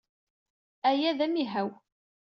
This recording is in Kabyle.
Aya d amihaw.